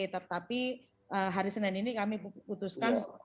tetapi hari senin ini kami putuskan